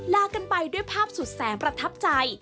ลากันไปด้วยภาพสุดแสนประทับใจ